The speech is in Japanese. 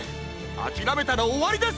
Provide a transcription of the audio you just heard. あきらめたらおわりです！